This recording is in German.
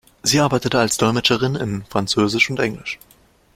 Sie arbeitete als Dolmetscherin in Französisch und Englisch.